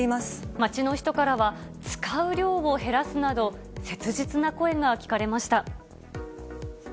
街の人からは、使う量を減らすなど、切実な声が聞かれました。